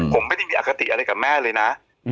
ผมไม่ได้มีอคติอะไรกับแม่เลยนะ